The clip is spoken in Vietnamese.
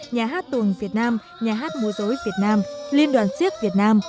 nhà hát tuồng việt nam nhà hát mô dối việt nam liên đoàn siếc việt nam